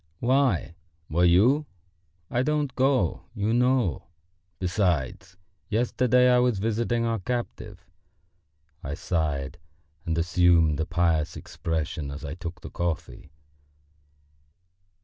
"Why, were you? I don't go, you know. Besides, yesterday I was visiting our captive...." I sighed and assumed a pious expression as I took the coffee.